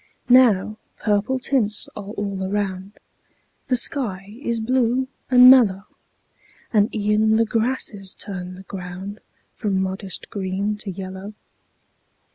Now purple tints are all around; The sky is blue and mellow; And e'en the grasses turn the ground From modest green to yellow.